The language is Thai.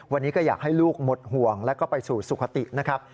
วันนี้ก็อยากให้ลูกหมดห่วงแล้วก็ไปสู่สุขตินะครับ